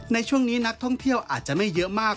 ในช่วงนี้นักท่องเที่ยวอาจจะไม่เยอะมาก